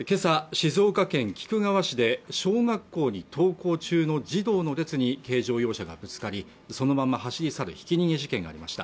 静岡県菊川市で小学校に登校中の児童の列に軽乗用車がぶつかりそのまま走り去るひき逃げ事件がありました